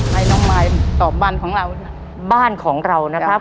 ให้น้องมายตอบบ้านของเราบ้านของเรานะครับ